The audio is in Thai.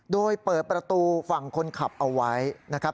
โดยเปิดประตูฝั่งคนขับเอาไว้นะครับ